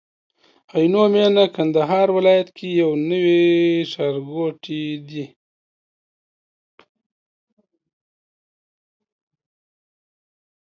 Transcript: عينو مينه کندهار ولايت کي يو نوي ښارګوټي دي